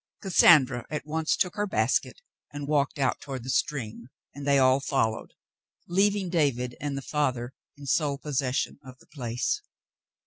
Cassandra at once took her basket and walked out toward the stream, and they all followed, leaving David and the father in sole possession of the place.